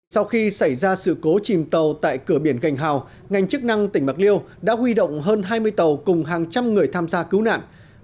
sau khi xảy ra sự cố chìm tàu tại cửa biển gành hào ngành chức năng tỉnh bạc liêu đã huy động hơn hai mươi tàu cùng hàng trăm người tham gia cứu nạn